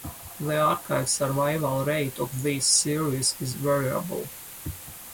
The archive survival rate of these series is variable.